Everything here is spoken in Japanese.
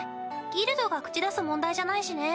ギルドが口出す問題じゃないしね